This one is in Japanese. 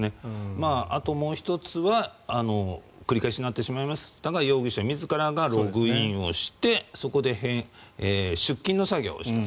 あともう１つは繰り返しになってしまいましたが容疑者自らがログインをしてそこで出金の作業をした。